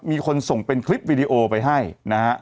มีคนส่งเป็นคลิปวิดีโอไปให้นะฮะ